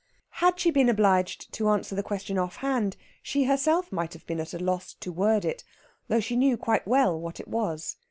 Had she been obliged to answer the question off hand she herself might have been at a loss to word it, though she knew quite well what it was.